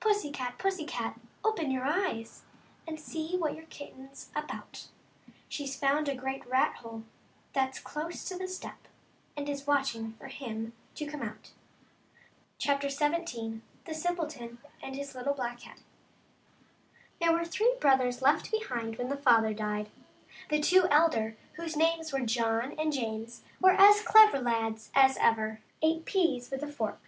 k.r Pussy Cat, Pussy Cat openyour£Jyes^ »f And see what your ^K'ltten s about ; She's found a great i^ff/' j^/e that's close to the Stea , And is watching for dim to come out. XVII. L^i'T^t' ^g^^iKil] mm 1 !4"^ia g^ HERE were three brothers left behind when the father died. The two elder, whose names were John and James, were as clever lads as ever ate pease with a fork.